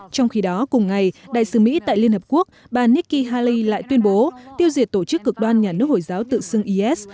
trong khi đó cùng ngày đại sứ mỹ tại liên hợp quốc bà nikki haley lại tuyên bố tiêu diệt tổ chức cực đoan nhà nước hồi giáo tự xưng is